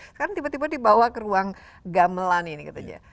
sekarang tiba tiba dibawa ke ruang gamelan ini katanya